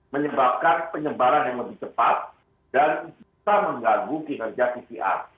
menyebabkan penyebaran yang lebih cepat dan bisa mengganggu kinerja pcr